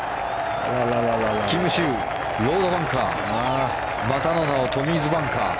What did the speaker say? キム・シウ、ロードバンカーまたの名をトミーズバンカー。